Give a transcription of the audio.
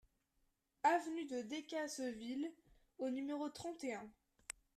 Avenue de Decazeville au numéro trente et un